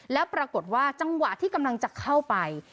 แล้วปรากฏว่าจังหวะที่กำลังจะเข้าไป